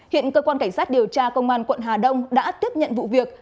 hiện cơ quan cảnh sát điều tra công an quận hà đông đã tiếp nhận vụ việc